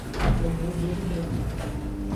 Eu vou ver o drama.